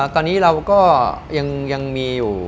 ตอนนี้เราก็ยังมีอยู่